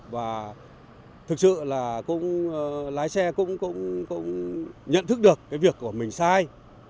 và thực sự là lái xe cũng nhận thức được cái việc của mình sai